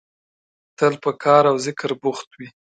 تل په کار او ذکر بوخت وي.